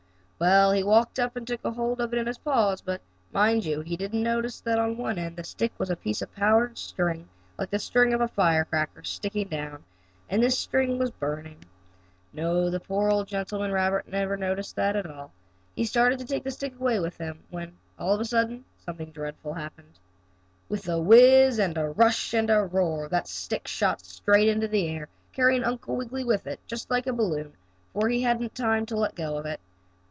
Well, he walked up and took hold of it in his paws, but, mind you, he didn't notice that on one end of the stick was a piece of powder string, like the string of a firecracker, sticking down, and this string was burning. No, the poor old gentleman, rabbit never noticed that at all. He started to take the stick away with him when, all of a sudden, something dreadful happened. With a whizz and a rush and a roar that stick shot into the air, carrying Uncle Wiggily with it, just like a balloon, for he hadn't time to let go of it.